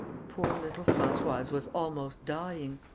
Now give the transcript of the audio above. Poor little Françoise was almost dying.